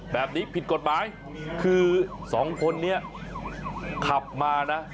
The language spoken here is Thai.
แบบนี้ผิดกฎหมายคือสองคนนี้ขับมานะ